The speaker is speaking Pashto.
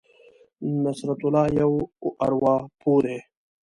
نصرت الله یو ارواپوه دی.